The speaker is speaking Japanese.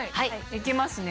いきますね。